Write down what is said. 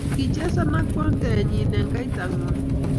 kichesan ak bontenyi eng koitangwang